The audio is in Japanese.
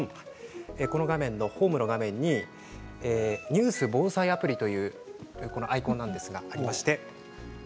このホームの画面にニュース・防災アプリというアイコンなんですがありまして。